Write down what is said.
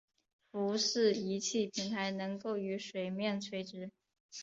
浮式仪器平台能够与水面垂直。